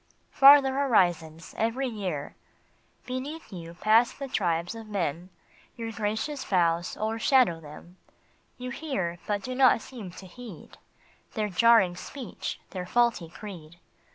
" Farther horizons every year !" Beneath you pass the tribes of men, Your gracious boughs o ershadow them ; You hear, but do not seem to heed 1 82 CONCORD. Their jarring speech, their faulty creed.